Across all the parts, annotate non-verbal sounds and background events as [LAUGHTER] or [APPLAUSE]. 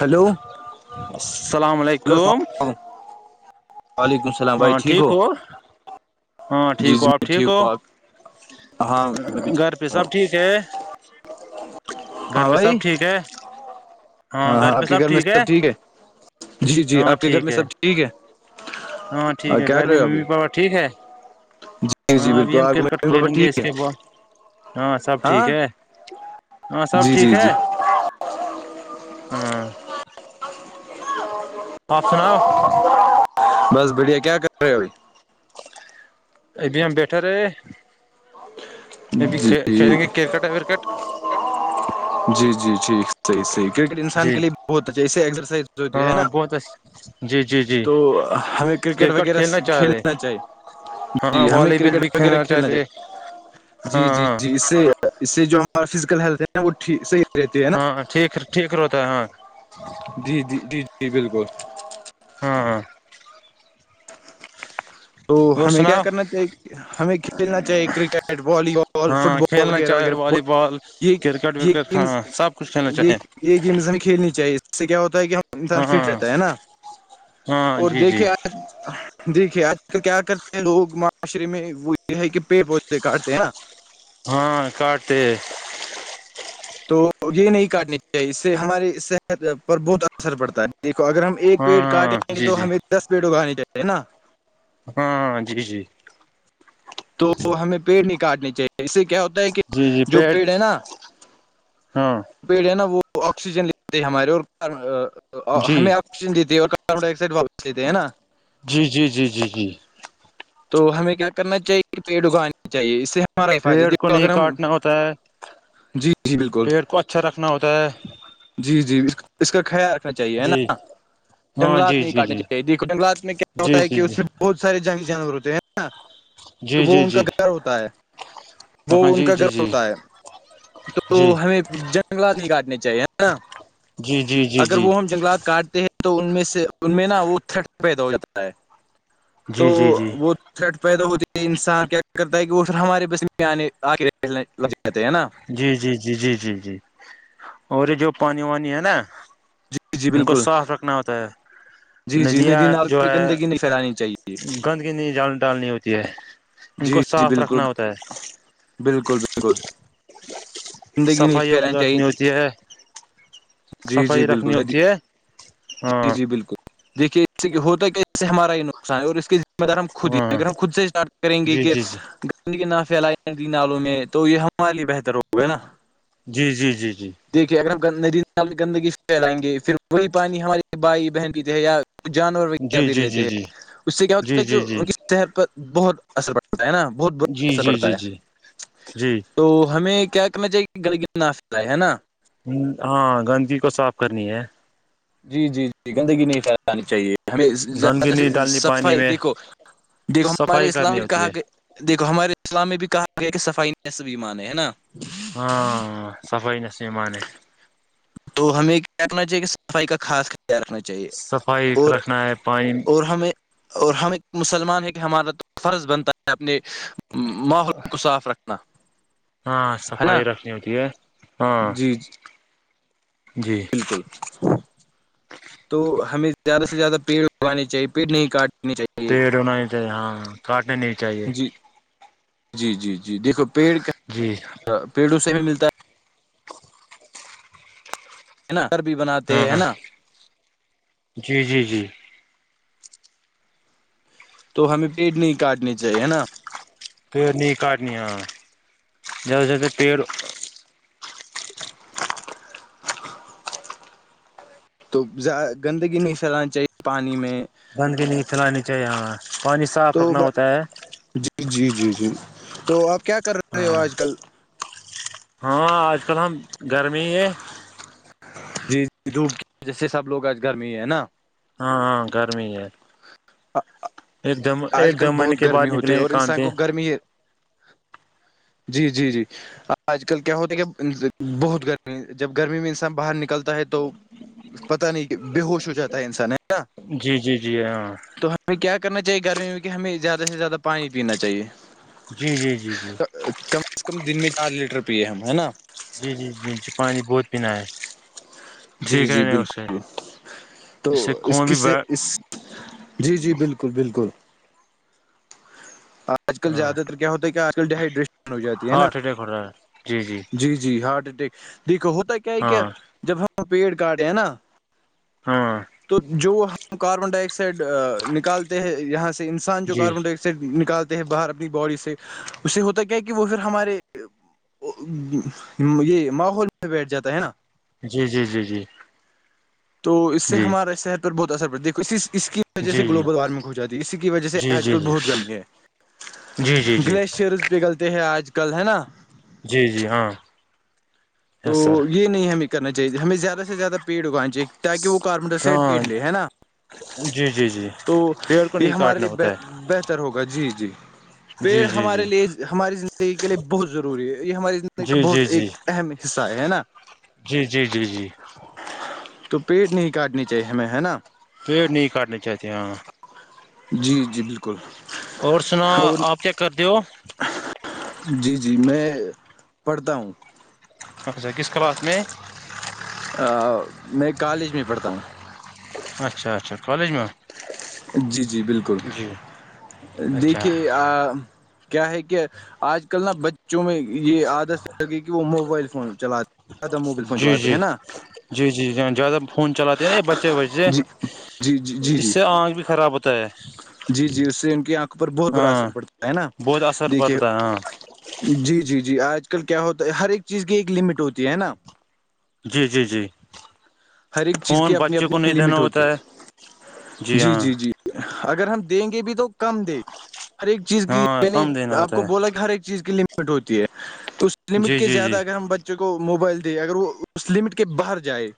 Hello hello السلام علیکم السلام وعلیکم السلام بھائی ہاں ٹھیک ہو ہاں جی ٹھیک ہو جی آپ میں ٹھیک ہو ہوں آپ ہاں میں بھی گھر پہ سب ہوں ٹھیک ہے گھر ہاں پہ سب بھائی ٹھیک ہے ہاں ہاں آپ کے گھر میں سب ٹھیک ہے جی جی ہاں آپ کے گھر ٹھیک میں سب ٹھیک ہے ہاں ٹھیک ہے کیا کر کرنی رہے ہو ابھی ممی پاوا ٹھیک ہے جی ہاں جی ابھی بالکل ہم آپ کے کرکٹ ممی پاپا کھیلیں گے اس ٹھیک ہے کے بال ہاں سب ٹھیک ہے ہاں سب جی ٹھیک جی جی ہے ہاں آپ سناؤ بس بڑیا کیا کر رہے ہو بی ابھی ہم بیٹھے رہے ابھی کھیلیں گے کرکٹ ہے کٹ جی جی جی صحیح کرکٹ انسان جی کےے بہت اچھاے ایکرسائز ہوتی ہے نا کس تو ہمیں کرکٹ وغیرہ کھیلنا چاہیے ہاں جی ہمیں والی بال کرکٹ بھی وغیرہ کھیلنا چاہتے چاہی ہاں جی جی ہاں جی اس سے اس سے جو ہمارا فزیکل ہیلتھ ہے نا وہٹھیک صحیح رہتی ہے نا ہاں ٹھیک ٹھیک رہتا ہے ہاں جی جی جی جی بالکل ہاں ہاں تو اور ہمیں کیا سناؤ کرنا چاہیے ہمیں کھیلنا چاہیے کرکٹ والی بال فٹ ہاں بال بال کھیلنا وغیرہ چاہے وغیرہ والی بال یہ کرکٹ یہ ورکٹ گیمز ہاں سب کچھ کھیلنا یہ چاہیے یہ گیمز ہمیں کھیلنی چاہیے اس سے کیا ہوتا ہے کہ انسان ہاں فٹ رہتا ہے نا ہاں اور جی جی دیکھیے آج دیکھیے آج کیا کرتے ہیں لوگ معاشرے میں وہ یہ ہے کہ پیڑ پودے کاٹتے ہیں نا ہاں کاٹ تو یہ نہیں کاٹنی چاہیے اس سے ہماری صحت پر بہت اثر پڑتا ہے دیکھو اگر ہم ایک ہاں پیڑ کاٹیں ہاں نہیں جی تو جی ہمیں دس پیڑ اگانے چاہیے نا ہاں ہاں جی جی تو ہمیں پیڑ نہیں کاٹنے چاہیے اسے کیا ہوتا ہے کہ جی جی جو پیٹ پیڑ ہے نا ہاں پیڑ ہے نا وہ آکسیجن لیتے ہمارے اور جی ہمیں دی اور کاربن ڈائی آکسائڈ واپ لیتے ہے نا جی جی جی جی جی تو ہمیں کیا کرنا چاہیے پیٹ اگانے چاہیے اس سے ہم ہمارا ہی فائدہ ہے۔ پیڑ کو دیکھو اگر نہیں کاٹنا ہوتا ہے جی جی بالکل پیڑ کو اچھا رکھنا ہوتا ہے جی جی اس کا خیال چاہیے ہے جی نا ہاں جنگلات جی نہیں جی کاٹنے جی چاہیے دیکھو جنگلات میں کیا جی ہوتا ہے جی کہ اس میں بہت سارے جنگ جانور ہوتے ہیں نا جی جی وہ جی ان کا جی گھر ہوتا ہے وہ ہاں ان جی کا جی گرہ جی ہوتا ہے تو جی ہمیں جنگلات نہیں کاٹنے چاہیے جی جی جی اگر جی وہ ہم جنگلات کاٹتے ہیں تو ان میں سے ان میں نا وہ تھٹ پیدا ہو جاتا ہے تو جی جی جی وہ ٹ پیدا ہوتی ہے انسان کیا کرتا ہے کہ وہ سر ہمارے بس آنے آ لگ جاتے ہے نا جی جی جی جی جی جی اور یہ جو پانی وانی ہے نا جی جی ان گ کو بالکل صاف رکھن ہوا تیار جی جی ندیاں ندی نال جو میں ہے گندگی نہیں پھیلانی چاہیے گند گ ن جال ڈالنی ہوتی ہے ہم کو جی جی صاف بالکل رکھنؤتا بالکل بالکل زندگی نہیں صفائی ہو پھیلانی چاہیے رکھنی ہوتی ہے جی جی بالکل ہے ج ہ جی جی بالکل دیکھیے اس سے ہوتا ہے کہ اس سے ہمارا یہ نقصان ہے اور اس کے دار ہم خود ہی ہاں اگر ہم خود سے اسٹارٹ کریں گے جی کہ جی جی نہ پھیلائی ت نالوں میں تو یہ ہمارے لیے بہتر ہوگا نا جی جی جی جی دیکھیے اگر ہم ندی نال گندگی پھیرائیں گے پھر وہی پانی ہمارے بھائی بہن بھی تھے یا جانور جی وغیرہ جی بھی جی لیتے جی اس سے کیا جی جی جی ہوتا تھا کہ صحت پر بہت اثر پڑتا ہے نا بہت برا جی اثر پڑتا جی ہے جی جی جی تو ہمیں کیا کرنا چاہیے کہ گڑ ناف ہے نا ہاں گندگی کو صاف کرنی ہے جی جی جی گندگی نہیں پھیلانی چاہیے ہمیں گندگی زیادہ سے نہیں ڈالنی پانی صفائی میں دیکھو دیکھو ہمارے صفائی کرنی اسلامی ہوتی کہا ہے گئے دیکھو ہمارے اسلام میں بھی کہا گیا ہے کہ صفائی ن س بھی مانے ہے نا ہاں صفائ ن سے مانے تو ہمیں کیا رنااہے کہ صفائی کا خا خیال رکھنا چاہیے صفائی چاہے اور رکھنا ہے پانی اور ہمیں اور ہم ایک مسلمان ہے کہ ہمارا تو فرض بنتا ہے اپنے ماحول کو صاف رکھنا ہاں ہے صفائی نا رکھنی ہوتی ہے ہاں جی الکل تو ہمیں زیادہ سے زیادہ پیڑ اگانے چاہیے پیڑ نہیں کاٹ پیڑ ہونا نہیں چاہیے ہاں ہاں کٹ نہیں چاہیے جی جی جی جی دیکھو پیڑ کا جی پیڑوں سے بھی ملتا ہے ہے نا گھر بھی بناتے ہاں ہیں نا [UNINTELLIGIBLE] جی جی جی تو ہمیں پیٹ نہیں کاٹنے چاہیے ہے نا پیڑ نہیں کاٹنی ہ زیادہ زد پیڑ تو ز گندگی نہیں پھیلانی چاہیے پانی میں بندگ نہیں چلانی چاہیے ہاں پانی صاف تو رکھنا میں ہوتا ہے جی جی جی جی تو آپ کیا کر رہے ہو ہاں آج کل ہاں آج کل ہم گرمی ہی ہیں دور کی وجہ سے سب لوگ آج گرمی ہے نا ہاں ہاں گرمی ہے ایک د ایک آج د کل مہینے بہت کے بعد گرمی ہوتی ہے نکلیں گے اور انسان کانتے کو گرمی جی جی جی آج کل کیا ہوتا کیا بہت گرمی جب گرمی میں انسان باہر نکلتا ہے تو پتہ نہیں کہ بے ہووش ہو جاتا ہے انسان ہے نا جی جی جی ہاںاں تو ہمیں کیا کرنا چاہیے گرمی میں کہ ہمیں زیادہ سے زیادہ پانی پینا چاہیے جی جی جی جی کم سےز کم دن میں چار لیٹر پیے ہم ہے نا جی جی جی جی پانی بہت پینا ہے جی ٹھیک ہے جی نہیں اس سے بالکل تو سے اس خون ک بھی سے بڑھ اس جی جی بالکل بالکل آپ آج کل ہاں زیادہ تر کیا ہوتا ہے کہ آج کل ڈییہائیڈریشن ہو جاتی ہے نا ہارٹ اٹیک ہو رہا ہے جی جی جی ہارٹ اٹیک دیکھو ہوتا کیا ہے کیا ہاں پیڈ ک کاڈ ہے نا ہاں تو جو ہم کاربن ڈائی آکسائڈ نکالتے ہیں یہاں سے انسان جو جی کاربن ڈائی آ سے نکالتے ہیں باہر اپنی باڈی سے اس سے ہوتا کیا کہ وہ پھر ہمارے یہ ماحول میں بیٹھ جاتا ہے نا جی جی جی جی تو اس سے جی ہمارا شہر پر بہت اثر پڑتا ہے اس اس کی اس وجہ سے جی گلوبل وارمنگ ہو جاتی ہے اسی کی وجہ سے آج جی جی کل جی بہت گرمی ہے جی جی جی شرز پگھلتے ہیں آج کل ہے نا جی جی ہاں یس تو سر یہ نہیں ہمیں کرنا چاہیے ہمیں زیادہ سے زیادہیٹگانی چاہیے تاکہ وہ کاربن ڈائی آکسائڈ پیڑ ہاں لے ہے نا جی جی جی تو پیڑ کو یہ نہیں ہمارے کاٹنا لیے ہوتا ہے بیسٹ ہوگا جی جی پیڑ جی جی ہمارے جی لیے ہماری زندگی کے لیے بہت ضروری ہے یہ ہماری زندگی کا جی جی بہت جی ایک اہم حصہ ہے نا جی جی جی جی تو پیٹ نہیں کاٹنی چاہیے ہمیں ہے نا پیڑ نہیں کرنے چاہیتے ہاں جی جی بالکل اور چیک کر د ہو جی - جی میں پڑھتا ہوں قبضہ کس کلاس میں- میں, کالج میں پڑھتا ہوں- اچھا- اچھا کالج میں- جی- جی بالکل جی اچھا دیکھیے آ- کیا ہے کہ آج کل نا بچوں میں یہ عادت پگئی کہ وہ موبائل فون چلاتے- زیادہ موبائل فون جی- چلاتے ہیں جی- نا جی- جی زیادہ فون چلاتے نا بچے- وجے جی جی جی جی اس جی سے آنکھ بھی خراب ہوتا ہے- جی- جی اس سے ان کی آنکھوں پر بہت بڑا اثر ہاں پڑتا ہے نا بہت اثر دیکھیے- پڑتا ہے ہاں جی- جی- جی آج کل کیا ہوتا ہے ہر ایک چیز کی ایک لمٹ ہوتی ہے نا- جی- جی- جی ہر ایک چیز فون کی اپنی بچے کو نہیں اپنی دینا لمٹ ہوتا ہوتی ہے جی- جی -جی- اگر ہم دیں گے بھی تو- کم دے ہر ایک چیز کی ہاں یعنی کم دینا آپ ہوتا کو ہے بولا کہ ہر ایک چیز کی لمٹ ہوتی ہے تو اس- اس لمٹ جی کے جی جی زیادہ اگر ہم بچے کو موبائل دیں اگر وہ اس لمٹ کے باہر جائے-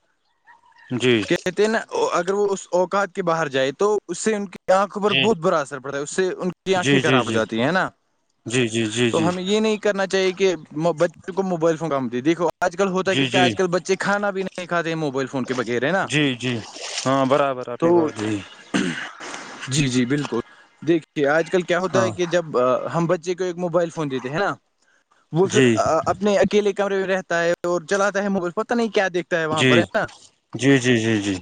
جی کہتے ہیں نا اگر وہ اس اوقات کے باہر جائے تو اس سے ان کی آنکھوں پر بہت برا اثر پڑ- پڑتا اس سے ان کی آنکھیں جی جی خراب ہو جی جاتی ہیں ہے نا جی جی جی جی تو جی ہمیں یہ نہیں کہ- کرنا چاہے کہ بچوں کو موبائل فون کامتی دیکھو آج کل ہوتا ہے ک کیا جی آج جی کل بچے کھانا پینا- اے مبائل ف جی- جی ہاں برابر اپپنی تو بات ج- جی- جی بالکل, دیکھیے آج کل کیا ہوتا ہاں ہے کہ- جب ہم بچے کو ایک موبائل فون دیتے ہیں نا وہ پھر- جی اپنے اکیلے کمرے میں رہتا ہے اور چلاتا ہے م پتا نہیں کیا دیکھتا ہے- وہاں پر ہے جی- نا جی- جی- جی- جی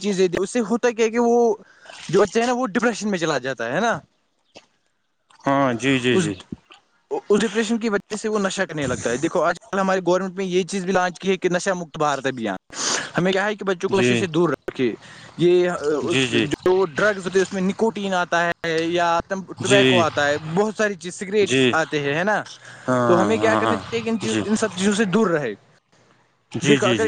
چیزیں اس سے ہوتا کیا ہے کہ وہ جو بچہ ہے نا وہ ڈپریشن میں چلا جاتا ہے نا- ہاں, جی- جی- اس جی- اس ڈپریشن کی وجہ سے وہ نشہ کرنے لگتا ہے دیکو آج کل ہماراری گورنمنٹ میں یہ چیز بھی لانچ کی ہے کہ نشا م- بھارت ابھیان ہمیں کیا ہے کہ بچوں کو نشے جی سے دور رکھے یہ جی اس جو ڈرگز ہوتے ہیں اس میں نکوٹین آتا ہے- یا جی ٹوبیکو جی آتا ہے بہت ساری چیز سگریٹس جی آتے ہے ہاں تو ہمیں کیا ہاں کرنا ہاں چاہیے کہ جی ان سب- جوں سے دور رہے جی دیکھو جی اگر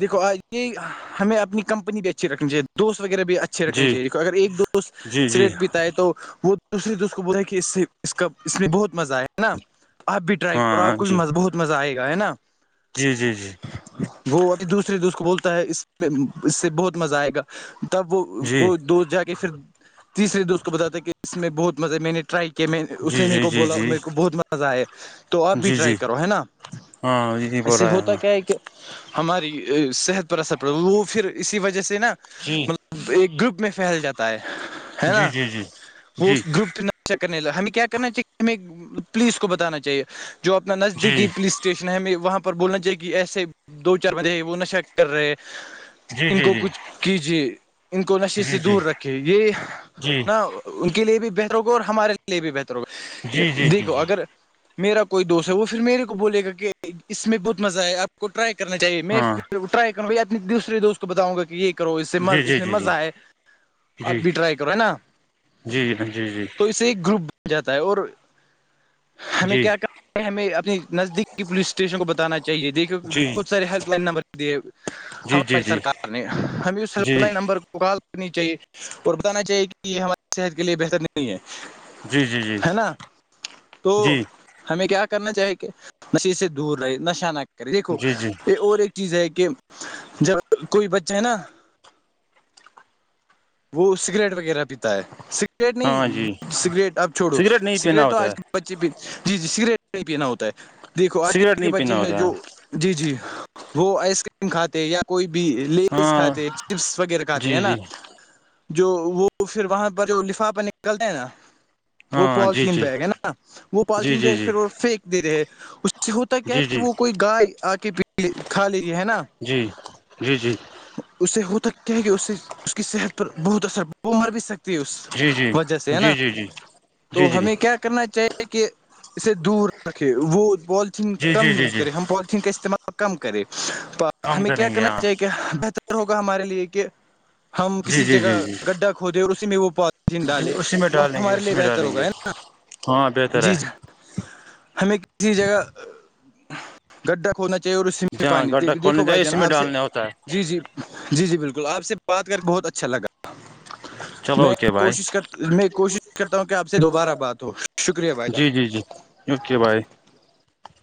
دیکھو یہ- ہمیں اپنیمپنی بھی اچھی رکھنی چاہی دوست وغیرہ بھی اچھا- چربی جی کو اگر ایک دوست جی جی جی سگریٹ پیتا ہے تو وہ- دوسرے دوست کو ب کہ اس کا اس میں بہت مزہ آیا ہے نا آپ بھی ٹرائی کرو آپ ہاں کو بھی جی مزہ بہت- مزہ آئے گا ہے نا- جی- جی- جی وہ ابھی دوسرے دوست کو بولتا ہے اس اس سے بہت مزہ آئے گا- تب وہ وہ جی دوست جا کے- تیرے دوست کو بتاتا کہ اس میں بہت مزہ ہے میں نےٹرائی- کہ میں جی اس نے میرے جی کو جی بولا اور جی میرے کو بہت مزہ آئے تو اپ بھی ٹرائی کرو ہے نا- ہاں, جی- جی اس بول سے رہا ہے- ہوتا کیا کہ ہماری صحت پر اثر پڑے وہ پھر اسی وجہ سے نا- جی- ایک گروپ میں پھیل جاتا ہے ہے جی نا جی جی وہ جی اس گروپ کے ن- ا کرنے ل ہمیں کیا کرنا چاہیے ہمیں پولیس کو بتانا چاہیے جو اپنا نزدیکی جی پلیس- اسٹیشن ہے ہمیں وہاں پر بولنا چاہیے کہ ایسے دو چار بندے ہیں وہ نشہ کر رہے- جی ان جی کو جی کچھ کیجیے ان کو نشے جی سے جی جی دور رکھے یہ- ان کے لیے بھی بہتر ہوگا اور ہمارے لیے بھی بہتر ہوگا جی جی جی دیکھو جی اگر میرا کوئی دوست ہے وہ پھر میرے کو بولے گا کہ اس میں بہت مزہ آئے اب کو ٹرائی کرنا چاہیے میں ہاں پھر ٹرائی کروں بھ اپنے دوسرے دوست کو بتاؤں گا کہ یہ ایک کرو اس سے جی مز اس جی میں جی مزہ آ ہے آپ جی بھی ٹرائی کرو ہے نا جی جی جی جی تو اسے ایک گروپ ب جاتا ہے اور ہمیں جی کیا کر ہمیں اپنے نزدیکی پلیس اسٹیشن کو بتانا چاہیے دیکھیے کہ جی بہت جی سارے ہیلپ لائن نمبر دیے جی جی جی ہماری جی جی سرکار نے ہم اسپ لائن نمبر کو کوال کرنی چاہیے اور بتانا چاہیے کہ یہ ہماری صحت کے لیے بہتر نہیں ہے ہے نا تو جی جی ہمیں کیا کرنا چاہی کہ نشی سے دور رہے نشہ نہ کرے دیکھو جی جی اور ایک چیز ہے کہ جب کوئی بچہ ہے نا وہ سگریٹ وغیرہ پیتا ہے سگریٹ ہاں جی نہیں سگریٹ اب چھوڑو نہیں پینا سگریٹ تو ہوتا آج ہے کل بچے جی جی سگریٹ ہی پینا ہوتا ہے دیکھو آج سگریٹ کل کے نہیں بچے پینا ہیں ہوتا جو ہے جی جی وہ آئس کریم کھاتے یا کوئی بھی لیز ہاں کھاتے ہیں چپس وغیرہ کھاتے جی ہے نا جی جو وہ پھر وہاں پر جو لفا پہ نکلتا ہیں نا وہ ہاں جی پالیتین جی بیگ ہے نا وہ جی پالیتین جی بیگ جی پھر وہ پھینک دے رہے ہے اس ج سے ہوتا کیا ہے جی کہ جی وہ کوئی گائے آ کے پی کھا لیی ہے نا جی جی جی اسے ہوتا کیا ہے کہ اس سے اس کی صحت پر بہت اثرڑ وہ مر بھی سکتی اس جی جی وجہ سے ہے نا جی جی جی تو جی ہمیں کیا کرنا چاہیے کہ اسے دور رکھے وہ پالیتھیین جی کم جی جی یوز جی کرے ہم پالیتھیین کا استعمال کم کرے تو کم ہمیں کیا کریں گے کرنا ہاں چاہیے کہ بہتر ہوگا ہمارے لیے کہ ہم جی کسی جی جی جگہ جی گڈھا کھودے اور اسی میں وہ پالین جی ڈالے اسی میں وہ ڈالیں گے ہمارے اسی لیے میں بہتر ڈالیں ہوگا گے ہے نا ہاں بہتر ہے جی ج ہمیں کسی جگہ گڈھا کھونا چاہیے چاہے وہو سمیی جہاں پانی گڈھا دیکھو کھولنے بھائی جائے جان اسی میں آپ سے ڈالنا ہوتا ہے جی جی جی جی بالکل آپ سے بات کر کے بہت اچھا لگا چلو میں اوکے بھائی کوشش کر میں کوشش کرتا ہوں کہ آپ سے دوبارہ بات ہو شکریہ بھائی جی جی جان جی اوکے بائے